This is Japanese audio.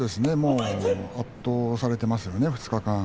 圧倒されてますね２日間。